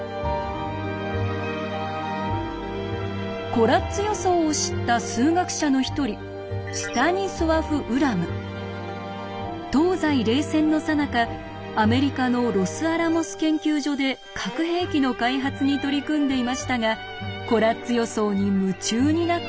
コラッツ予想を知った数学者の一人東西冷戦のさなかアメリカのロスアラモス研究所で核兵器の開発に取り組んでいましたがコラッツ予想に夢中になってしまいます。